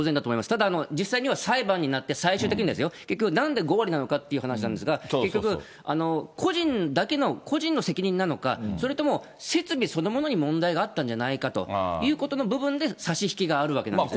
ただ、実際には裁判になって、最終的にはですよ、結局なんで５割なのかっていう話なんですが、結局、個人だけの、個人の責任なのか、それとも設備そのものに問題があったんじゃないかということの部分で差し引きがあるわけなんですね。